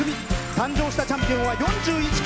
誕生したチャンピオンは４１組。